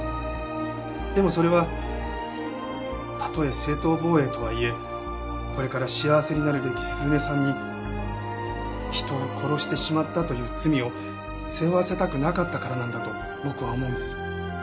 でもそれはたとえ正当防衛とはいえこれから幸せになるべき涼音さんに人を殺してしまったという罪を背負わせたくなかったからなんだと僕は思うんです。